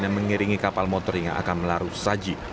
yang mengiringi kapal motor hingga akan melarung sesaji